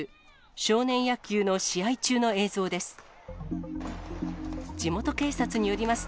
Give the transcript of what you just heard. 少年野球の試合中の映像です。